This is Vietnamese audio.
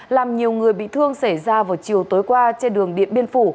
làm nhiều người bị thương xảy ra vào chiều tối qua trên đường điện biên phủ